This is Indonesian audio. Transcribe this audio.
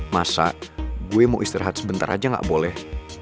masa gue mau istirahat sebentar aja gak boleh